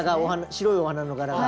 白いお花の柄が。